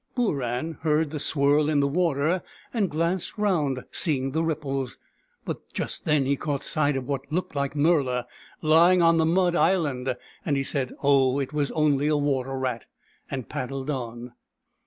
Booran heard the swirl in the water, and glanced round, seeing the ripples ; but just then he caught sight of what looked like Murla, lying on the mud island, and he said, " Oh, it was only a water rat !" and paddled on.